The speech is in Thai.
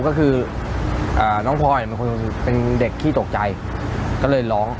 ก็คืออ่าน้องพลอยมันคือเป็นเด็กที่ตกใจก็เลยร้อง